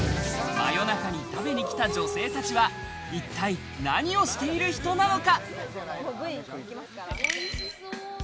真夜中に食べに来た女性たちは、一体、何をしている人なのか？